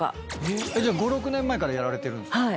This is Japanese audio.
じゃあ５６年前からやられてるんですか。